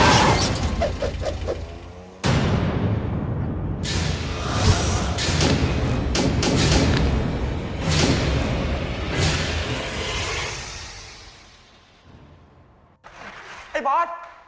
ไอ้บอส